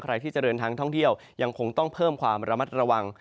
ใครที่จะเดินทางท่องเที่ยวยังคงต้องเพิ่มความระมัดระวัง